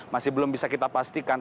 masih belum bisa kita pastikan